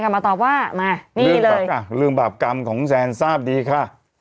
มาตอบว่ามานี่เลยอ่ะเรื่องบาปกรรมของแซนทราบดีค่ะ